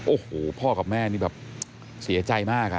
โอ้โหพ่อกับแม่นี่แบบเสียใจมาก